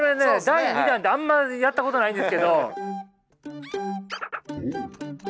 第２弾ってあんまやったことないんですけど！